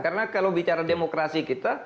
karena kalau bicara demokrasi kita